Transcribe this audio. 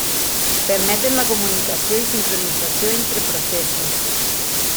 Permeten la comunicació i sincronització entre processos.